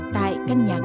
tại căn nhà cửa